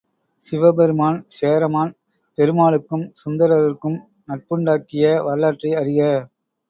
சிவபெருமான், சேரமான் பெருமாளுக்கும், சுந்தரருக்கும் நட்புண்டாக்கிய வரலாற்றை அறிக.